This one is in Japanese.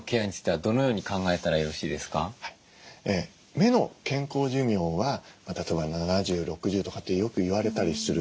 目の健康寿命は例えば７０６０とかってよく言われたりする。